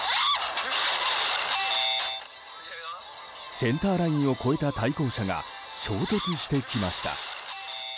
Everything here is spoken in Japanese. センターラインを越えた対向車が衝突してきました。